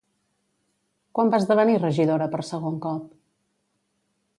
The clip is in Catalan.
Quan va esdevenir regidora per segon cop?